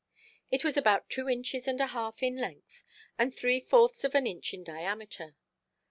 It was about two inches and a half in length, and three–fourths of an inch in diameter.